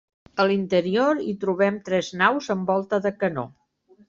A l'interior, hi trobem tres naus amb volta de canó.